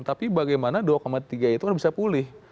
tapi bagaimana dua tiga itu kan bisa pulih